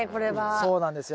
そうなんですよ。